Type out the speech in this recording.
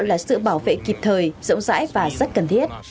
là sự bảo vệ kịp thời rộng rãi và rất cần thiết